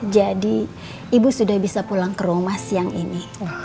jadi ibu sudah bisa pulang ke rumah siang ini